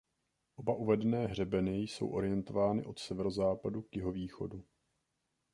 Oba uvedené hřebeny jsou orientovány od severozápadu k jihovýchodu.